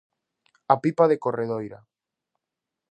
A pipa de Corredoira.